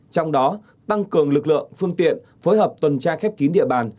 trong đó tăng cường lực lượng phương tiện phối hợp tuần tra khép kín địa bàn